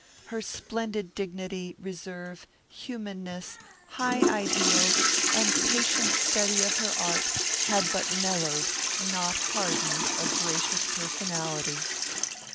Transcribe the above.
Her splendid dignity, reserve, humanness, high ideals, and patient study of her art had but mellowed, not hardened, a gracious personality.